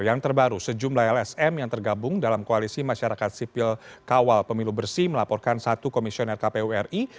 yang terbaru sejumlah lsm yang tergabung dalam koalisi masyarakat sipil kawal pemilu bersih melaporkan satu komisioner kpu ri